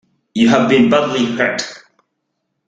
You have been badly hurt.